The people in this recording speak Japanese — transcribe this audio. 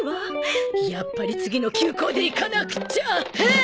やっぱり次の急行で行かなくちゃうう！